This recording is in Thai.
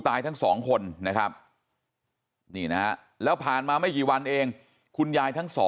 ทั้งสองคนนะครับนี่นะฮะแล้วผ่านมาไม่กี่วันเองคุณยายทั้ง๒